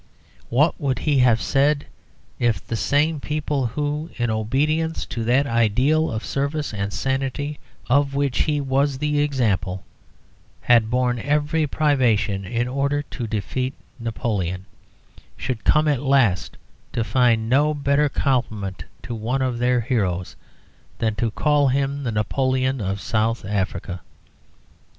What would he have said if the same people who, in obedience to that ideal of service and sanity of which he was the example, had borne every privation in order to defeat Napoleon, should come at last to find no better compliment to one of their heroes than to call him the Napoleon of South Africa?